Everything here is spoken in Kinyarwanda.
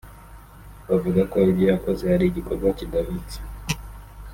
bavuga ko ibyo yakoze ari igikorwa kidahwitse